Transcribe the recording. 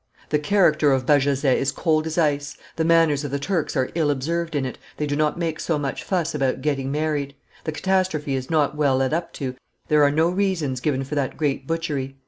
The character of Bajazet is cold as ice, the manners of the Turks are ill observed in it, they do not make so much fuss about getting married; the catastrophe is not well led up to, there are no reasons given for that great butchery.